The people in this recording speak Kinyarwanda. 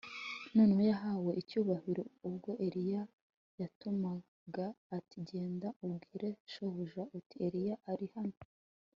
Noneho yahawe icyubahiro ubwo Eliya yatumaga ati Genda ubwire shobuja uti Eliya ari hano